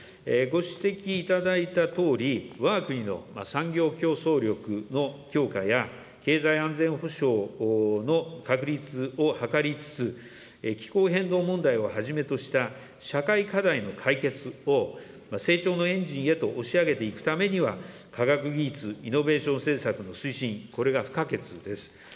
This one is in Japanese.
ご指摘いただいたとおり、わが国の産業競争力の強化や、経済安全保障の確立を図りつつ、気候変動問題をはじめとした社会課題の解決を成長のエンジンへと押し上げていくためには、科学技術イノベーション政策の推進、これが不可欠です。